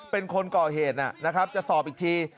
เป็นคนก่อเหตุนะครับจะสอบอีกที